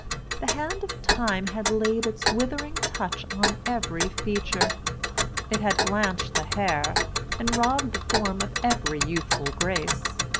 The hand of time had laid its withering touch on every feature; it had blanched the hair, and robbed the form of every youthful grace.